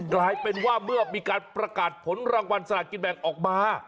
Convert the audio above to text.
กลายเป็นว่าเมื่อมีการประกาศผลรางวัลสลากินแบ่งออกมา